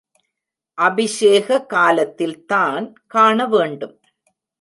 அபிஷேக காலத்தில் தான் காண வேண்டும்.